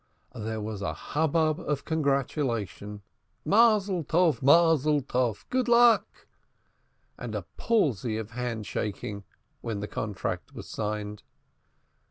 There was a hubbub of congratulation (Mazzoltov, Mazzoltov, good luck), and a palsy of handshaking, when the contract was signed.